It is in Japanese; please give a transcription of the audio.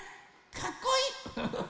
かっこいい！